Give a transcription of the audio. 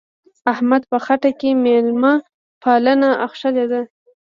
احمد په خټه کې مېلمه پالنه اخښلې ده.